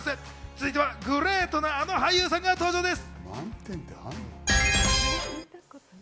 続いてはグレートなあの俳優さんが登場です。